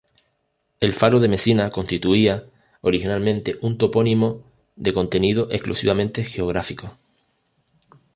El faro de Mesina constituía originalmente un topónimo de contenido exclusivamente geográfico.